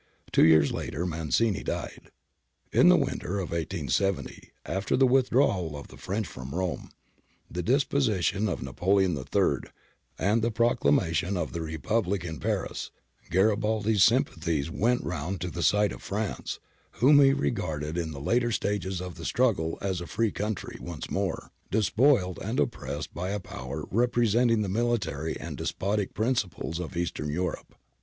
Two years later Mazzini died. In the winter of 1870, after the withdrawal of the French from Rome, the deposition of Napoleon III, and the proclamation of the Republic in Paris, Garibaldi's sympathies went round to the side of France, whom he I «ri i •• lARIBAI.DI IN Oil) A(;K. THE DEATH OF GARIBALDI 293 regarded in the later stages of the struggle as a free country once more, despoiled and oppressed by a power represent ing the military and despotic principles of Eastern Europe.